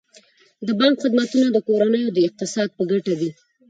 د بانک خدمتونه د کورنیو د اقتصاد په ګټه دي.